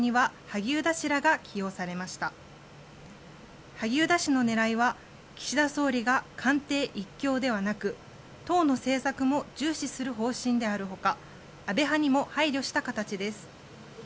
萩生田氏の狙いは岸田総理が官邸一強ではなく党の政策も重視する方針であるほか安倍派にも配慮した形です。